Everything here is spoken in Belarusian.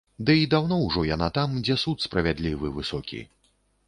Ды і даўно ўжо яна там, дзе суд справядлівы, высокі.